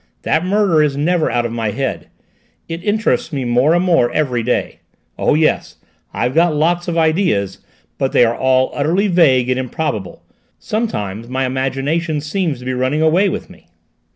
That murder is never out of my head; it interests me more and more every day. Oh, yes, I've got lots of ideas, but they are all utterly vague and improbable: sometimes my imagination seems to be running away with me."